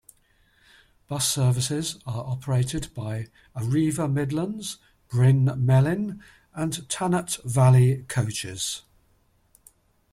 Bus services are operated by Arriva Midlands, Bryn Melyn and Tanat Valley Coaches.